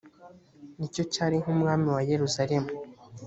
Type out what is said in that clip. ni cyo cyari nk umwami wa yeruzaremu